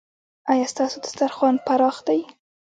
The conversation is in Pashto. ایا ستاسو دسترخوان پراخ دی؟